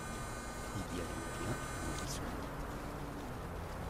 Il y a donc bien un glissement.